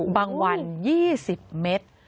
บางวัน๒๐เมตร